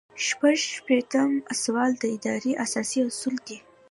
شپږ شپیتم سوال د ادارې اساسي اصول دي.